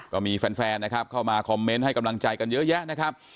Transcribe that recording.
ก็มีแฟนนะครับเข้ามาคอมเมนต์ให้กำลังใจกันเยอะแยะนะครับ